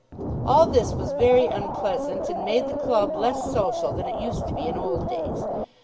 All this was very unpleasant and made the club less social than it used to be in old days.